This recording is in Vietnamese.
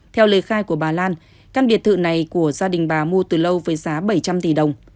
theo lời khai của bà lan căn biệt thự này của gia đình bà mua từ lâu với giá bảy trăm linh tỷ đồng